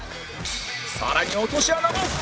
更に落とし穴も！